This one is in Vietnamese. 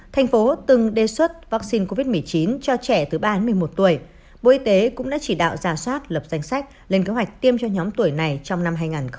thành phố từng đề xuất vaccine covid một mươi chín cho trẻ từ ba đến một mươi một tuổi bộ y tế cũng đã chỉ đạo giả soát lập danh sách lên kế hoạch tiêm cho nhóm tuổi này trong năm hai nghìn hai mươi